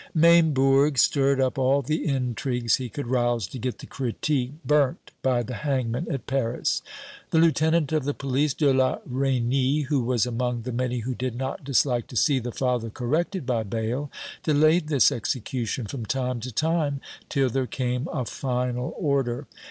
Maimbourg stirred up all the intrigues he could rouse to get the Critique burnt by the hangman at Paris. The lieutenant of the police, De la Reynie, who was among the many who did not dislike to see the Father corrected by Bayle, delayed this execution from time to time, till there came a final order.